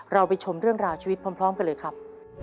เราไปชมเรื่องราวชีวิตพร้อมกันเลยครับ